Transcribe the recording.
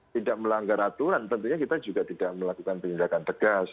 tidak melanggar aturan tentunya kita juga tidak melakukan penindakan tegas